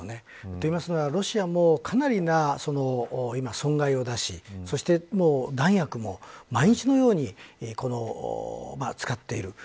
と言いますのはロシアも、かなりな損害を出しそして何億も、毎日のように使っている。